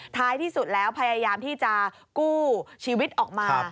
ท้ายที่สุดแล้วพยายามที่จะกู้ชีวิตออกมา